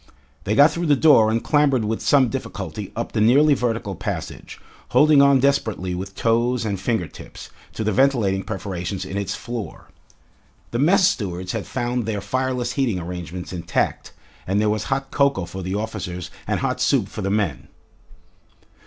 They got through the door and clambered with some difficulty up the nearly vertical passage, holding on desperately with toes and finger tips, to the ventilating perforations in its floor. The mess stewards had found their fireless heating arrangements intact, and there was hot cocoa for the officers and hot soup for the men.